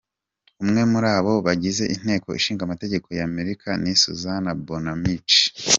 Umwe muri abo bagize inteko ishingamategeko y’Amerika, ni Suzanne Bonamici.